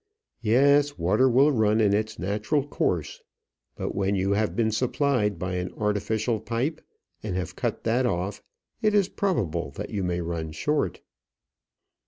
"Yes, water will run in its natural course. But when you have been supplied by an artificial pipe, and have cut that off, it is probable that you may run short."